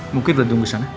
mungkin udah tunggu sana